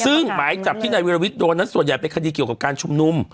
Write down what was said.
ซึ่งหมายจับที่นายวิรวิทย์โดนนั้นส่วนใหญ่เป็นคดีเกี่ยวกับการชุมนุม